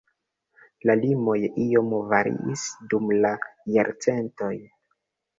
La limoj iom variis dum la jarcentoj.